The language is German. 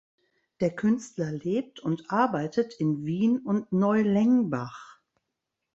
Der Künstler lebt und arbeitet in Wien und Neulengbach.